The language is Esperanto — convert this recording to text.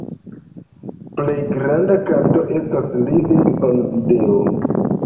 Plej granda kanto estas „Living on Video”.